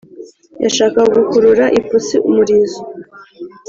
Yashakaga gukurura ipusi umurizo